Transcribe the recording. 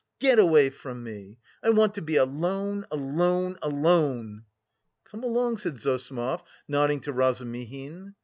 Get away from me! I want to be alone, alone, alone!" "Come along," said Zossimov, nodding to Razumihin.